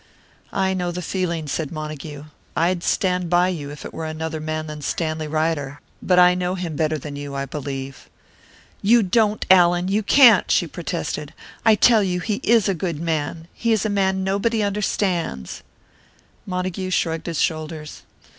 "I know the feeling," said Montague. "I'd stand by you, if it were another man than Stanley Ryder. But I know him better than you, I believe." "You don't, Allan, you can't!" she protested. "I tell you he is a good man! He is a man nobody understands " Montague shrugged his shoulders.